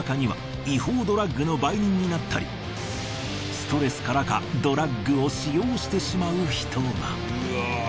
ストレスからかドラッグを使用してしまう人が。